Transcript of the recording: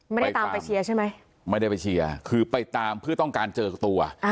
ไม่ได้ตามไปเชียร์ใช่ไหมไม่ได้ไปเชียร์คือไปตามเพื่อต้องการเจอตัว